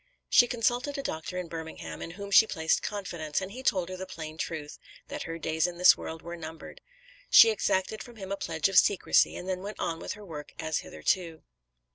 She consulted a doctor in Birmingham, in whom she placed confidence, and he told her the plain truth, that her days in this world were numbered. She exacted from him a pledge of secrecy, and then went on with her work as hitherto.